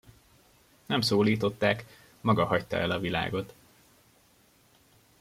Nem szólították, maga hagyta el a világot.